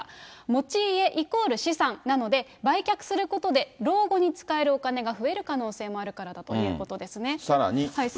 持ち家イコール資産なので、売却することで老後に使えるお金が増える可能性もあるからだといさらに。